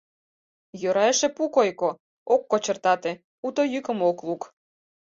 Йӧра эше, пу койко, ок кочыртате, уто йӱкым ок лук.